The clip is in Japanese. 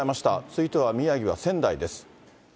続いては宮城は仙台です。